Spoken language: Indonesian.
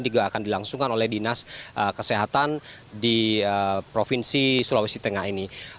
juga akan dilangsungkan oleh dinas kesehatan di provinsi sulawesi tengah ini